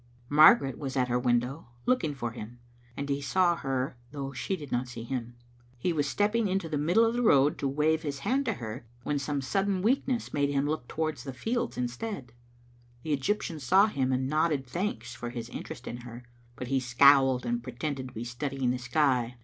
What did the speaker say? Margaret was at her window, looking for him, and he saw her though she did not see him. He was steppixig Digitized by VjOOQ IC BuDaciti2 ot tbe Tmomait Tr into the middle of the road to wave his hand to her, when some sudden weakness made him look towards the fields instead. The Egyptian saw him and nodded thanks for his interest in her, but he scowled and pre tended to be studying the sky.